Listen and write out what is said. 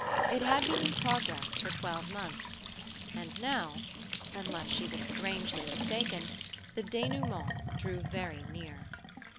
It had been in progress for twelve months, and now, unless she was strangely mistaken, the denouement drew very near.